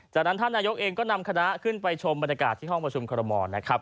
จากนั้นท่านนายกเองก็นำคณะขึ้นไปชมบรรยากาศที่ห้องประชุมคอรมอลนะครับ